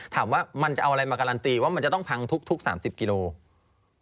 ถามว่ามันจะเอาอะไรมาการันตีว่ามันจะต้องพังทุก๓๐กิโลกรัม